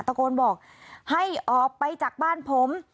ตะโกนบอกให้ออกไปจากบ้านผม